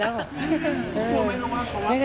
ไม่เคยกลัวไม่เคยกลัว